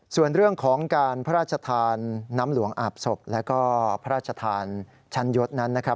ส่วนเรื่องของการพระราชทานน้ำหลวงอาบศพแล้วก็พระราชทานชั้นยศนั้นนะครับ